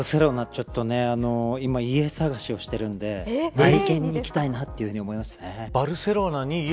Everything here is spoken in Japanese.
ちょっと今、家探しをしてるんで内見に行きたいなと思いましたね。